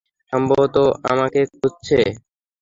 সম্ভবত আমাকে খুঁজছে।